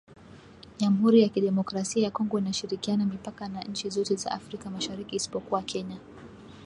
Jamuhuri ya Kidemokrasia ya Kongo inashirikiana mipaka na nchi zote za Afrika Mashariki isipokuwa Kenya